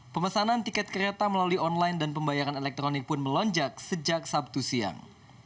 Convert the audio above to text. pemesanan tiket kereta melalui online dan pembayaran elektronik pun melonjak sejak sabtu siang